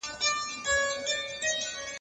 يوولس منفي يو؛ لس کېږي.